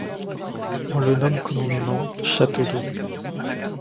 On le nomme communément “château d’eau”.